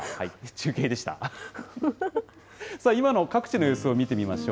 中継でした。